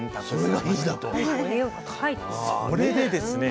それでですね